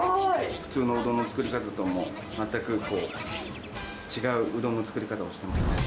普通のうどんの作り方とは、もう全く違ううどんの作り方をしてますね。